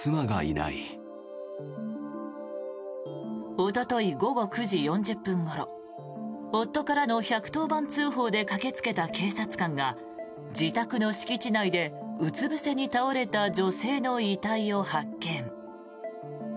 おととい午後９時４０分ごろ夫からの１１０番通報で駆けつけた警察官が自宅の敷地内でうつぶせに倒れた女性の遺体を発見。